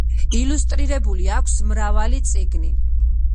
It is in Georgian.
ილუსტრირებული აქვს მრავალი წიგნი.